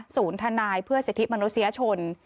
ศูนย์ธนายเพื่อสิทธิมนุษยชน